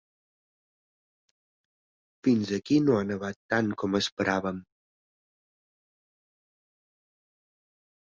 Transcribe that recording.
Fins aquí no ha nevat tant com esperàvem.